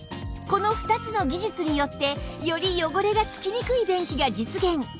この２つの技術によってより汚れが付きにくい便器が実現